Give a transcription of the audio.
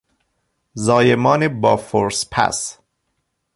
زایمان با فورسپس